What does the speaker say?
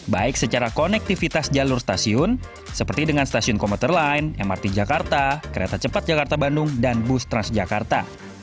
baik secara konektivitas jalur stasiun seperti dengan stasiun komuter lain mrt jakarta kereta cepat jakarta bandung dan bus transjakarta